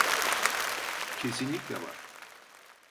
Kesinlikle var.